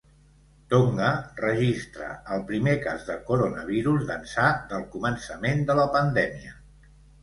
Tonga registra el primer cas de coronavirus d’ençà del començament de la pandèmia.